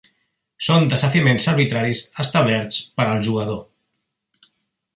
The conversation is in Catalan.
Són desafiaments arbitraris establerts per al jugador.